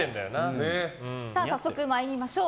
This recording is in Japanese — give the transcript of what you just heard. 早速参りましょう。